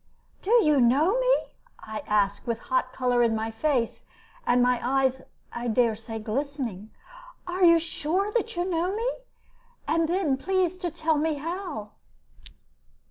"Do you know me?" I asked, with hot color in my face, and my eyes, I dare say, glistening. "Are you sure that you know me? And then please to tell me how."